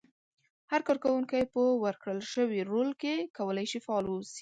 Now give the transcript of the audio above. هر کار کوونکی په ورکړل شوي رول کې کولای شي فعال واوسي.